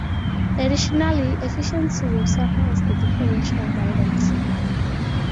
Additionally, efficiency will suffer as the differential widens.